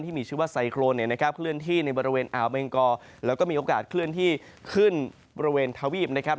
ที่มีชื่อว่าไซโครนเนี่ยนะครับเคลื่อนที่ในบริเวณอ่าวเบงกอแล้วก็มีโอกาสเคลื่อนที่ขึ้นบริเวณทวีปนะครับ